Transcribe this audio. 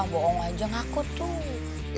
bohong aja ngaku tuh